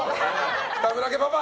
北村家パパ。